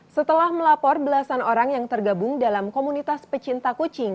setelah melapor belasan orang yang tergabung dalam komunitas pecinta kucing